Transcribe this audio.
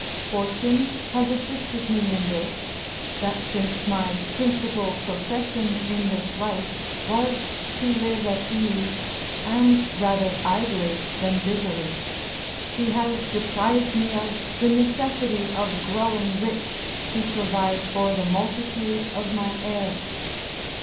Fortune has assisted me in this, that since my principal profession in this life was to live at ease, and rather idly than busily, she has deprived me of the necessity of growing rich to provide for the multitude of my heirs.